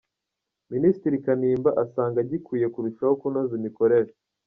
Minisitiri Kanimba asanga gikwiye kurushaho kunoza imikorere